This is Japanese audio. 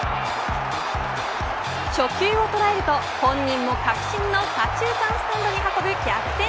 初球を捉えると、本人も確信の左中間スタンドに運ぶ逆転